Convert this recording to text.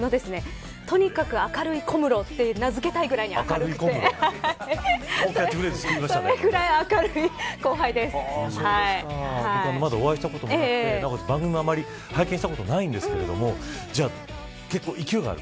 とにかく明るい小室と名付けたいぐらい明るくて僕はまだお会いしたことなくて番組もあまり拝見したことがないんですけど結構、勢いがある。